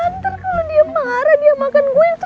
ntar kalau dia marah dia makan gue terus mati